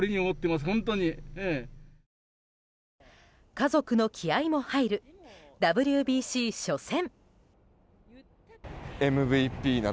家族の気合も入るＷＢＣ初戦。